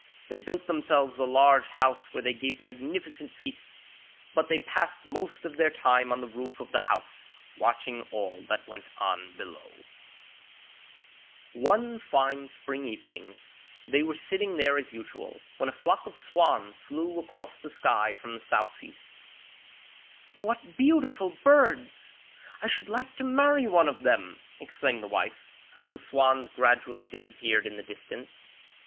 They built themselves a large house where they gave magnificent feasts, but they passed most of their time on the roof of the house, watching all that went on below. [Illustration: WHAT BEAUTIFUL BIRDS! I SHOULD LIKE TO MARRY ONE OF THEM!] One fine spring evening they were sitting there as usual, when a flock of swans flew across the sky from the south east. 'What beautiful birds! I should like to marry one of them!' exclaimed the wife, as the swans gradually disappeared in the distance.